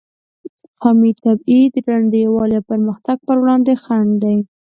قومي تبعیض د ټولنې د یووالي او پرمختګ پر وړاندې خنډ دی.